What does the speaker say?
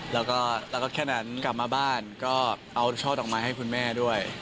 แล้วก็แค่นั้นกลับมาบ้านก็เอาช่อดอกไม้ให้คุณแม่ด้วย